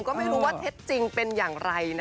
ก็ไม่รู้ว่าเท็จจริงเป็นอย่างไร